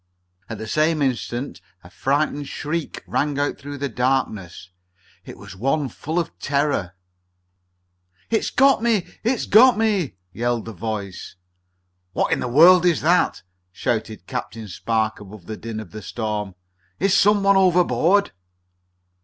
At the same instant a frightened shriek rang out through the darkness. It was one full of terror. "It's got me! It's got me!" yelled the voice. "What in the world is that?" shouted Captain Spark above the din of the storm. "Is some one overboard?"